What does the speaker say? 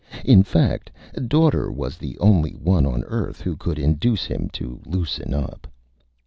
In fact, Daughter was the only one on Earth who could induce him to Loosen Up.